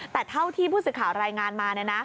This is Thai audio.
แต่เท่าที่ผู้สื่อข่าวรายงานมา